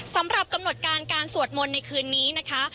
สำหรับกำหนดการการสวดมนต์ในคืนนี้นะคะ